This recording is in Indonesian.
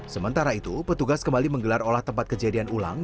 sementara itu petugas kembali menggelar olah tempat kejadian ulang